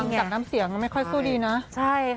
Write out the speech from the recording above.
มีจากน้ำเสียงไม่ค่อยคู่ดีนะ